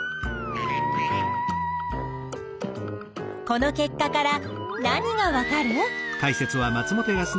この結果から何がわかる？